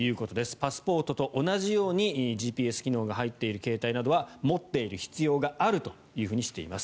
パスポートと同じようにＧＰＳ機能が入っている携帯などは持っている必要があるとしています。